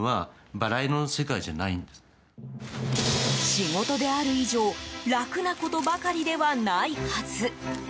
仕事である以上楽なことばかりではないはず。